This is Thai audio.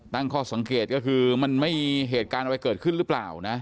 ตั้งข้อสังเกตก็คือมันไม่มีเหตุการณ์อะไรเกิดขึ้นหรือเปล่านะ